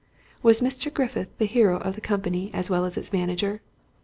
Was Mr. Griffith the hero of the company as well as its manager?